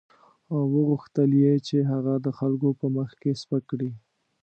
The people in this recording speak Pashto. او وغوښتل یې چې هغه د خلکو په مخ کې سپک کړي.